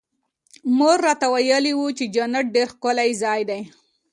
مور راته ويلي وو چې جنت ډېر ښکلى ځاى دى.